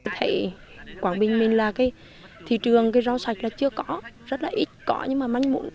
thầy quảng bình mình là cái thị trường rau sạch là chưa có rất là ít có nhưng mà mạnh mụn